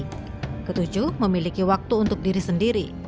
ketujuh memiliki waktu untuk diri sendiri